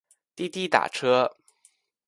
滴滴打车